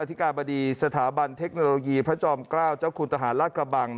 ธิการบดีสถาบันเทคโนโลยีพระจอมเกล้าเจ้าคุณทหารราชกระบัง